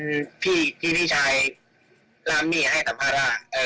เพราะว่าได้ยินพี่นี่ชายล้ามิให้สัมภาระ